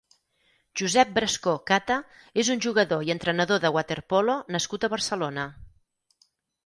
Josep Brascó Cata és un jugador i entrenador de waterpolo nascut a Barcelona.